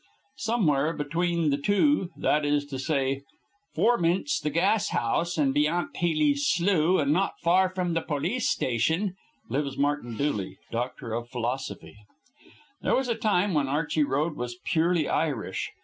Somewhere between the two that is to say, forninst th' gas house and beyant Healey's slough and not far from the polis station lives Martin Dooley, doctor of philosophy. There was a time when Archey Road was purely Irish.